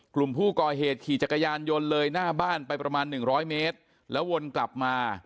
กลุ่มผู้ก่อเหตุขี่จักรยานยนต์เลยหน้าบ้านไปประมาณหนึ่งร้อยเมตรแล้ววนกลับมา